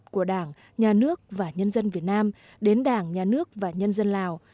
của đảng nhà nước và nhân dân việt nam đến đảng nhà nước và nhân dân lào